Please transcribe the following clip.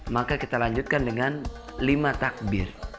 maka kita lanjutkan dengan lima takbir